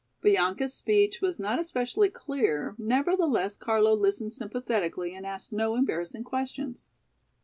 Bianca's speech was not especially clear, nevertheless Carlo listened sympathetically and asked no embarrassing questions.